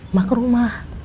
emak ke rumah